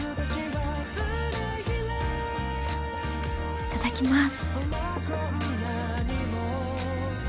いただきます。